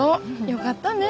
よかったね！